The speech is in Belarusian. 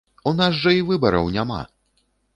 У нас жа і выбараў няма!